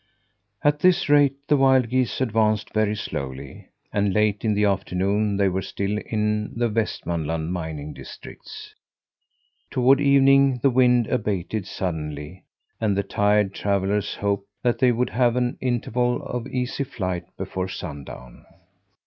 At this rate the wild geese advanced very slowly, and late in the afternoon they were still in the Westmanland mining districts. Toward evening the wind abated suddenly, and the tired travellers hoped that they would have an interval of easy flight before sundown.